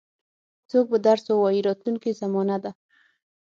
څوک به درس ووایي راتلونکې زمانه ده.